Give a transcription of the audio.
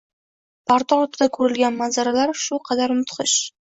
Parda ortida ko‘rilgan manzaralar shu qadar mudhish